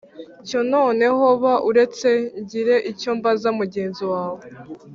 Cyo noneho ba uretse ngire icyo mbaza mugenzi wawe